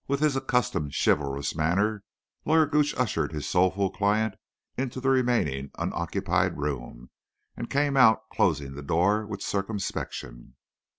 With his accustomed chivalrous manner, Lawyer Gooch ushered his soulful client into the remaining unoccupied room, and came out, closing the door with circumspection.